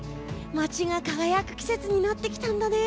街が輝く季節になってきたんだね